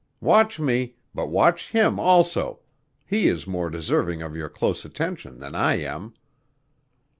Watch me, but watch him also; he is more deserving of your close attention than I am."